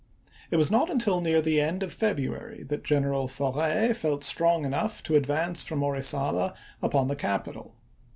It was not until near the end of 1863. February that General Forey felt strong enough to advance from Orizaba upon the capital.